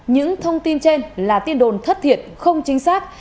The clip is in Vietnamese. những thông tin trên là tin đồn thất thiệt không chính xác